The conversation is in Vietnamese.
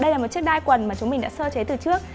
đây là một chiếc đai quần mà chúng mình đã sơ chế từ trước